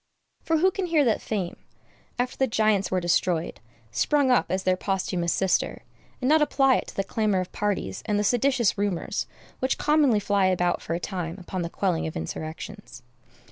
For who can hear that Fame, after the giants were destroyed, sprung up as their posthumous sister, and not apply it to the clamor of parties and the seditious rumors which commonly fly about for a time upon the quelling of insurrections?